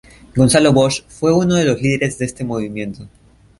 Gonzalo Bosch fue uno de los líderes de este movimiento.